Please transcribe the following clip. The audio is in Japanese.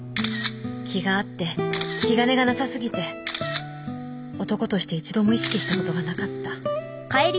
気が合って気兼ねがなさすぎて男として１度も意識したことがなかった。